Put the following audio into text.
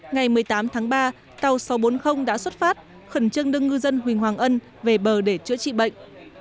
ngày một mươi tám tháng ba tàu sáu trăm bốn mươi đã xuất phát khẩn trương đưa ngư dân huỳnh hoàng ân về bờ để chữa trị bệnh